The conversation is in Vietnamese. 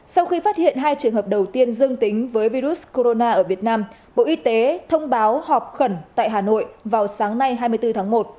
sau khi phát hiện hai trường hợp đầu tiên dương tính với virus corona ở việt nam bộ y tế thông báo họp khẩn tại hà nội vào sáng nay hai mươi bốn tháng một